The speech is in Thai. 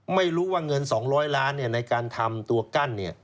ไม่รู้ว่าเงิน๒๐๐ล้านในการทำตัวกั้น